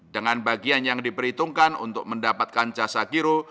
dengan bagian yang diperhitungkan untuk mendapatkan jasa giro